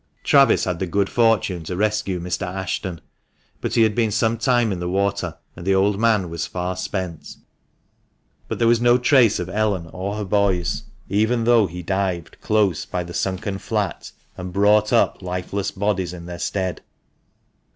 Travis had the good fortune to rescue Mr. Ashton, but he had been some time in the water, and the old man was far spent; but there was no trace of Ellen or her boys, even though he dived close by the sunken flat, and brought up lifeless bodies in their stead.